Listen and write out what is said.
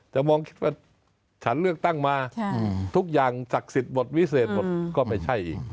จะมองคิดว่าฉันเลือกตั้งมาทุกอย่างศักดิ์สิทธิ์บทวิเศษหมดก็ไม่ใช่อีก